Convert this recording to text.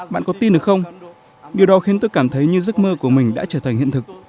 bạn có tin được không điều đó khiến tôi cảm thấy như giấc mơ của mình đã trở thành hiện thực